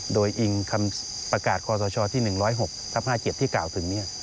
โดยอิงคำประกาศคศที่๑๐๖ท๕เจที่๙ถึงนี้